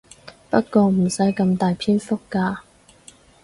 不過唔使咁大篇幅㗎